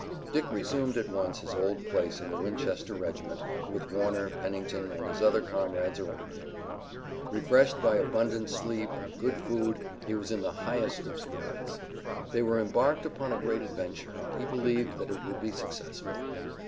Dick resumed at once his old place in the Winchester regiment, with Warner, Pennington and his other comrades around him. Refreshed by abundant sleep and good food he was in the highest of spirits. They were embarked upon a great adventure and he believed that it would be successful.